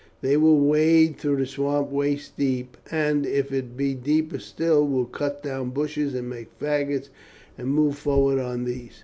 They will wade through the swamp waist deep, and, if it be deeper still, will cut down bushes and make faggots and move forward on these.